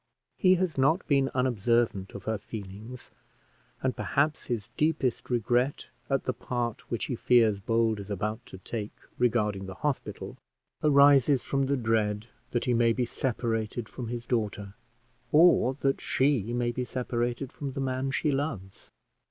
He has not been unobservant of her feelings, and perhaps his deepest regret at the part which he fears Bold is about to take regarding the hospital arises from the dread that he may be separated from his daughter, or that she may be separated from the man she loves.